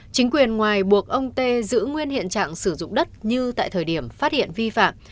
chính quyền ngoài buộc ông tê giữ nguyên hiện trạng sử dụng đất như tại thời điểm phát hiện vi phạm